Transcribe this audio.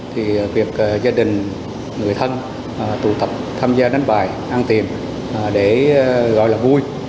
thì việc gia đình người thân tụ tập tham gia đánh bạc ăn tiềm để gọi là vui